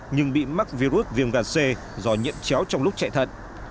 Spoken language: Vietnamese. nhưng bị mắc virus viêm gan c do nhiễm chéo trong lúc chạy thận